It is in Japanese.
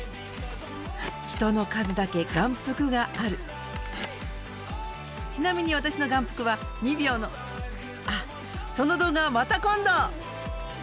人の数だけ眼福があるちなみに私の眼福は２秒のあっその動画はまた今度！